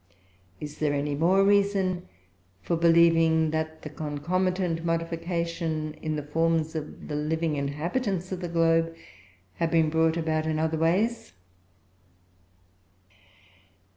Is there any more reason for believing that the concomitant modifications in the forms of the living inhabitants of the globe have been brought about in other ways?